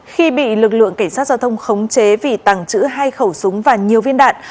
khi bị lực lượng cảnh sát giao thông khống chế vì tàng trữ hai khẩu súng và nhiều viên đạn